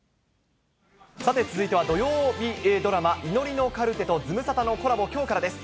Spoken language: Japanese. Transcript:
さて、続いては土曜ドラマ、祈りのカルテとズムサタのコラボ、きょうからです。